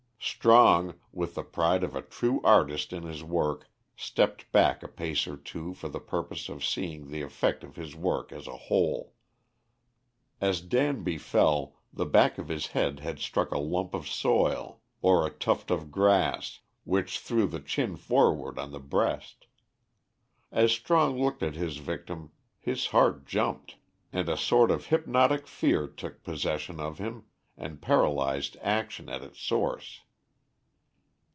Strong, with the pride of a true artist in his work, stepped back a pace or two for the purpose of seeing the effect of his work as a whole. As Danby fell, the back of his head had struck a lump of soil or a tuft of grass which threw the chin forward on the breast. As Strong looked at his victim his heart jumped, and a sort of hypnotic fear took possession of him and paralysed action at its source.